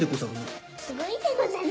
すごいでござるでしょ。